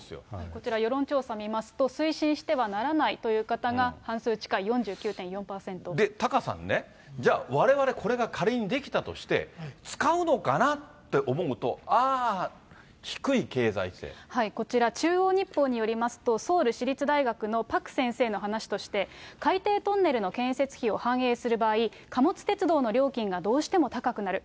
こちら世論調査見ますと、推進してはならないとタカさんね、じゃあ、われわれ、これが仮に出来たとして、使うのかなって思うと、ああ、こちら、中央日報によりますと、ソウル市立大学のパク先生の話として、海底トンネルの建設費を反映する場合、貨物鉄道の料金がどうしても高くなる。